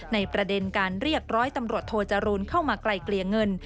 ในประเด็นการเรียกร้อยตำรวจโทจรูลเข้ามาไกลเกลี่ยเงิน